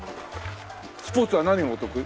スポーツは何がお得意？